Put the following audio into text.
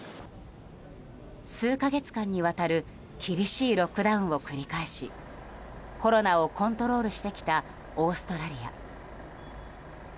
数か月間にわたる厳しいロックダウンを繰り返しコロナをコントロールしてきたオーストラリア。